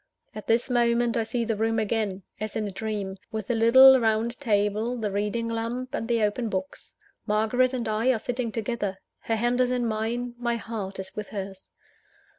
At this moment, I see the room again as in a dream with the little round table, the reading lamp, and the open books. Margaret and I are sitting together: her hand is in mine; my heart is with hers.